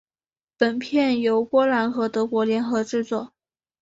本片由波兰和德国联合制作。